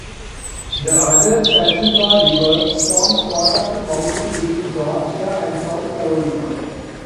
The other Chattooga River forms part of the boundary between Georgia and South Carolina.